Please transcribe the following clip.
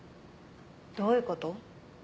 どういうこと？